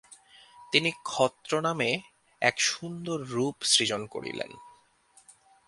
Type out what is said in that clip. তিনি ক্ষত্র নামে এক সুন্দর রূপ সৃজন করিলেন।